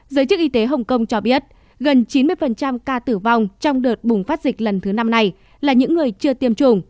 giới chức y tế hồng kông cho biết gần chín mươi ca tử vong trong đợt bùng phát dịch lần thứ năm này là những người chưa tiêm chủng